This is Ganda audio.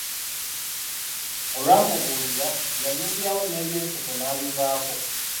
Olwamubuulira yanyigirawo ne eby'enseko n'abivaako.